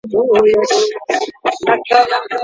اتڼ بې ډوله نه کېږي.